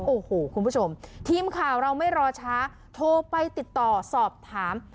โอ้โหคุณผู้ชมทีมข่าวเราไม่รอช้าโทรไปติดต่อสอบถาม